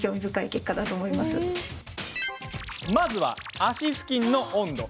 まずは足付近の温度。